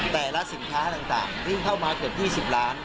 แต่ละสินค้าต่างวิ่งเข้ามาเกือบ๒๐ล้าน